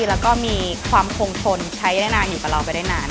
แล้วก็มีความคงทนใช้ได้นานอยู่กับเราไปได้นาน